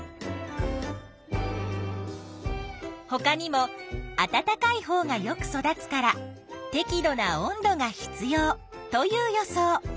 ほかにも「あたたかいほうがよく育つからてき度な温度が必要」という予想。